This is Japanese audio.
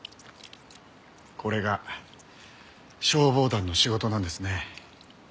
これが消防団の仕事なんですね。